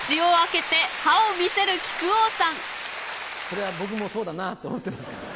それは僕もそうだなって思ってますから。